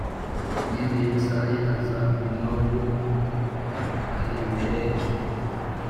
Mwene Yesayi aza i Nobu kwa Ahimeleki